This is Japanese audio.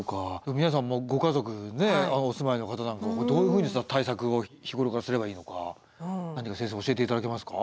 皆さんご家族お住まいの方なんかはどういうふうに対策を日頃からすればいいのか何か先生教えて頂けますか？